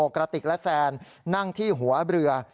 กระติกและแซนนั่งที่หัวเรือ